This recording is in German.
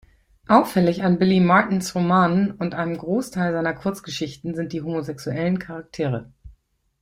Auffällig an Billy Martins Romanen und einem Großteil seiner Kurzgeschichten sind die homosexuellen Charaktere.